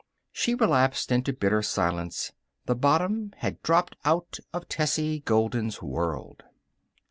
She relapsed into bitter silence. The bottom had dropped out of Tessie Golden's world.